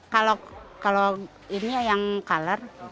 kalau ini yang color